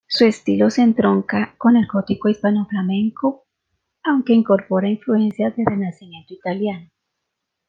Su estilo se entronca con el gótico hispanoflamenco, aunque incorpora influencias del Renacimiento italiano.